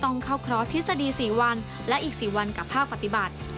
ต้องเข้าเคราะห์ทฤษฎี๔วันและอีก๔วันกับภาคปฏิบัติ